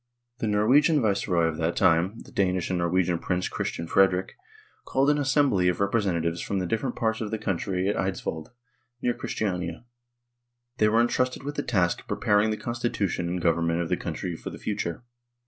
The Norwegian viceroy of that time the Danish and Norwegian Prince Christian Frederick called an assembly of representatives from the different parts of the country at Eidsvold, near Christiania ; they were entrusted with the task of preparing the constitution and government of the country for the future.